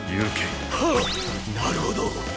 なるほど。